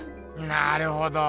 なるほど。